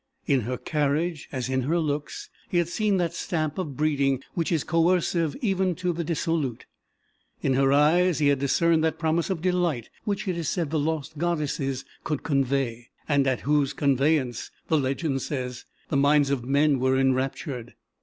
In her carriage as in her looks, he had seen that stamp of breeding which is coercive even to the dissolute. In her eyes he had discerned that promise of delight which it is said the lost goddesses could convey; and at whose conveyance, the legend says, the minds of men were enraptured.